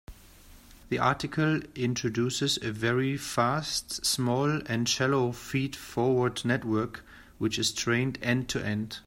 The article introduces a very fast, small, and shallow feed-forward network which is trained end-to-end.